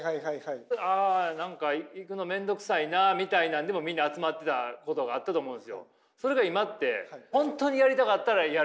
あ何か行くの面倒くさいなみたいなんでもみんな集まってたことがあったと思うんすよ。